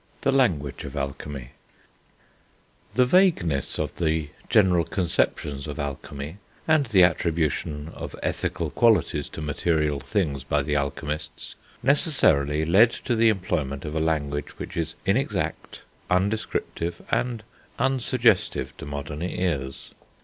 THE LANGUAGE OF ALCHEMY The vagueness of the general conceptions of alchemy, and the attribution of ethical qualities to material things by the alchemists, necessarily led to the employment of a language which is inexact, undescriptive, and unsuggestive to modern ears.